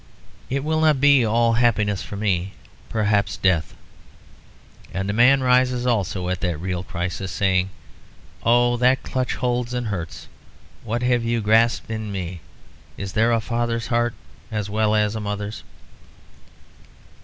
"It will not be all happiness for me. Perhaps death." And the man rises also at that real crisis, saying, "Oh, that clutch holds and hurts. What have you grasped in me? Is there a father's heart as well as a mother's?"